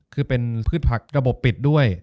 คือเป็นพืชผักระบบปิดด้วย